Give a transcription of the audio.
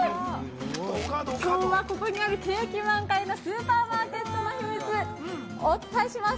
今日はここにある景気満開のスーパーマーケットの秘密お伝えします。